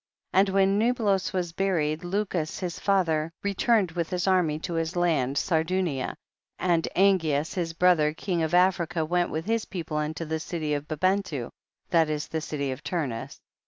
28. And when Niblos was buried Lucus his father returned with his army to his land Sardunia, and An geas his brother king of Africa went with his people unto the city of Bi bentu, that is the city of Turnus.